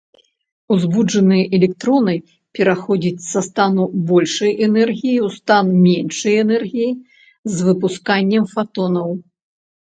Узбуджаныя электроны пераходзяць са стану большай энергіі ў стан меншай энергіі з выпусканнем фатонаў.